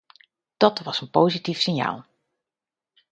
Dat was een positief signaal.